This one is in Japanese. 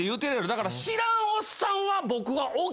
だから知らんおっさんは僕はＯＫやねん。